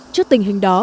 trước tình hình đó